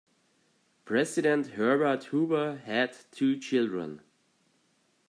President Herbert Hoover had two children.